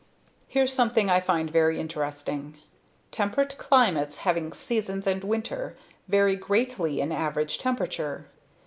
Here's something I find very interesting. Temperate climates having seasons and winter, vary greatly in average temperature.